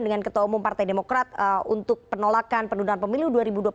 dengan ketua umum partai demokrat untuk penolakan pendudukan pemilu dua ribu dua puluh empat